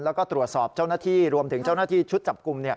แล้วก็ตรวจสอบเจ้าหน้าที่รวมถึงเจ้าหน้าที่ชุดจับกลุ่ม